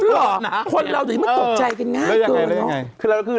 ที่แล้วแต่มันตกใจกันง่ายเกินเนอะ